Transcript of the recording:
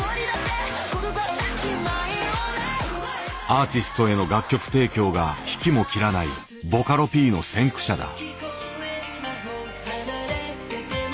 アーティストへの楽曲提供が引きも切らないボカロＰの先駆者だ。